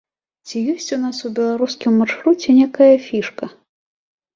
Ці ёсць у нас у беларускім маршруце нейкая фішка?